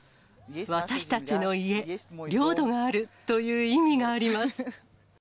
私たちの家、領土があるという意味があります。